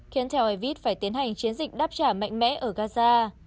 khiến theo evis phải tiến hành chiến dịch đáp trả mạnh mẽ ở gaza